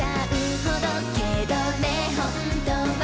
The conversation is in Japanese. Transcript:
「けどね、ほんとは」